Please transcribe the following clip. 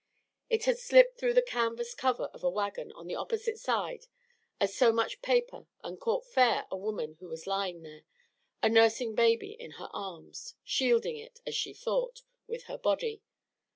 It had slipped through the canvas cover of a wagon on the opposite side as so much paper and caught fair a woman who was lying there, a nursing baby in her arms, shielding it, as she thought, with her body.